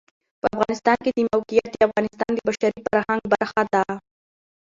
د افغانستان د موقعیت د افغانستان د بشري فرهنګ برخه ده.